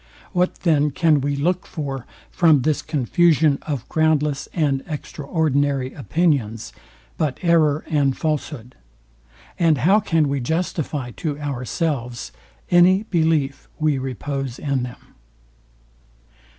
What then can we look for from this confusion of groundless and extraordinary opinions but error and falshood? And how can we justify to ourselves any belief we repose in them?